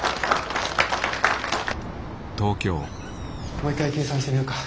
もう一回計算してみようか。